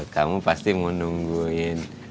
kamu pasti mau nungguin